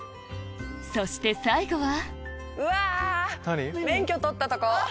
そして最後はうわ！